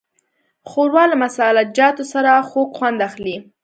ښوروا له مسالهجاتو سره خوږ خوند اخلي.